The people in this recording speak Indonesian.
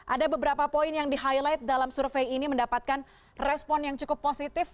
ada beberapa poin yang di highlight dalam survei ini mendapatkan respon yang cukup positif